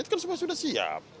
kan semua sudah siap